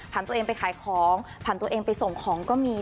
ตัวเองไปขายของผ่านตัวเองไปส่งของก็มี